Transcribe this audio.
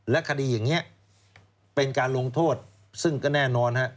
และคดีอย่างนี้เป็นการลงโทษซึ่งก็แน่นอนฮะ